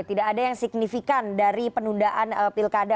tidak ada yang signifikan dari penundaan pilkada